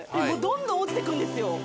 もうどんどん落ちてくんですよ